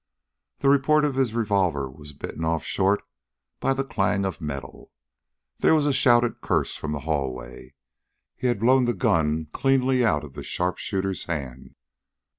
The report of his revolver was bitten off short by the clang of metal; there was a shouted curse from the hallway. He had blown the gun cleanly out of the sharpshooter's hand.